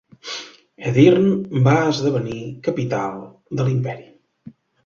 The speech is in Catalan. Edirne va esdevenir capital de l'imperi.